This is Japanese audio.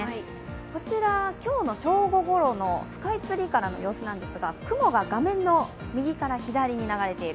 こちら、今日の正午ごろのスカイツリーからの様子なんですが雲が画面の右から左に流れている。